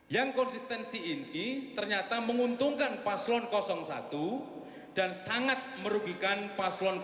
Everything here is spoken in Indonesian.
yang konsistensi ini ternyata menguntungkan paslon satu dan sangat merugikan paslon dua